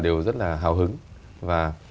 đều rất là hào hứng và